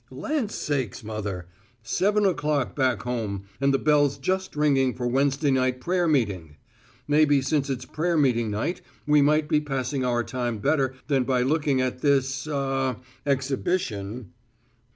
"Land's sakes, mother; seven o'clock back home, and the bell's just ringing for Wednesday night prayer meeting! Maybe since it's prayer meeting night we might be passing our time better than by looking at this ah exhibition."